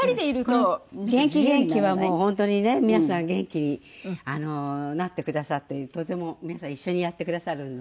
この『元気！元気！』はもう本当にね皆さん元気になってくださってとても皆さん一緒にやってくださるので。